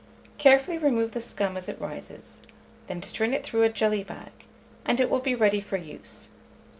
Carefully remove the scum as it rises, then strain it through a jelly bag, and it will be ready for use.